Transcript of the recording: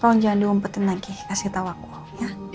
kau jangan diompetin lagi kasih tau aku ya